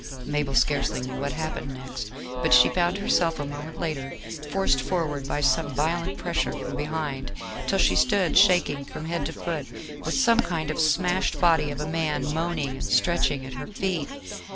Mabel scarcely knew what happened next; but she found herself a moment later forced forward by some violent pressure from behind, till she stood shaking from head to foot, with some kind of smashed body of a man moaning and stretching at her feet.